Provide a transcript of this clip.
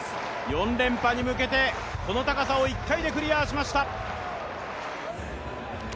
４連覇に向けて、この高さを１回でクリアしました。